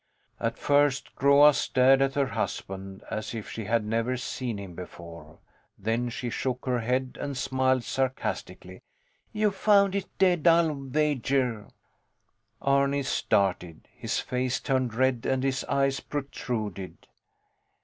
At first Groa stared at her husband as if she had never seen him before. Then she shook her head and smiled sarcastically. You found it dead, I'll wager! Arni started. His face turned red and his eyes protruded.